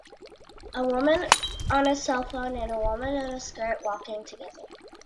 A woman on a cellphone and a woman in a skirt walking together.